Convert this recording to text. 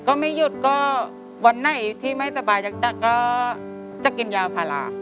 ก็ไม่หยุดก็วันไหนที่ไม่สบายจักรก็จะกินยาภาระ